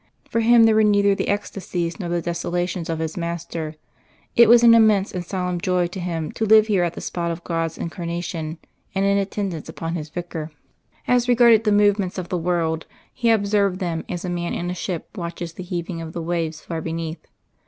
For him there were neither the ecstasies nor the desolations of his master. It was an immense and solemn joy to him to live here at the spot of God's Incarnation and in attendance upon His Vicar. As regarded the movements of the world, he observed them as a man in a ship watches the heaving of the waves far beneath.